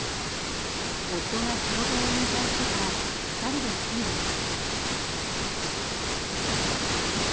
夫が仕事を引退してから２人で住んでいました。